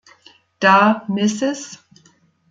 Da Mrs.